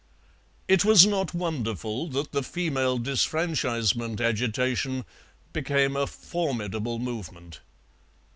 It was not wonderful that the female disfranchisement agitation became a formidable movement.